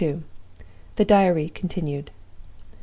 THE DIARY CONTINUED.